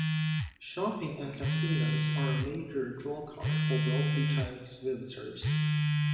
Shopping and casinos are a major drawcard for wealthy Chinese visitors.